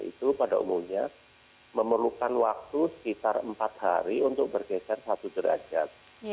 itu pada umumnya memerlukan waktu sekitar empat hari untuk bergeser satu derajat